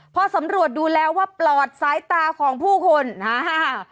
พอสำรวจดูแล้วว่าปลอดสายตาของผู้คนฮ่าฮ่า